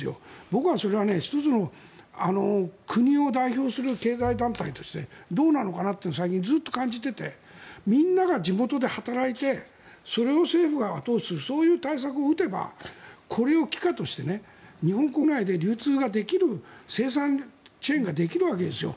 僕はそれは一つの国を代表する経済団体としてどうなのかなって最近ずっと感じていてみんなが地元で働いてそれを政府が後押しするそういう対策を打てばこれを奇貨として日本国内で流通ができる生産チェーンができるわけですよ。